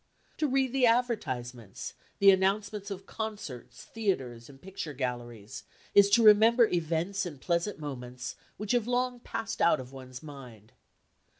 To read the advertisements, the announcements of concerts, theatres and picture galleries, is to remember events and pleasant moments which have long passed out of one's mind.